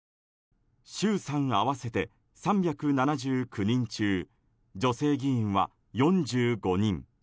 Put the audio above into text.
衆参合わせて３７９人中女性議員は４５人。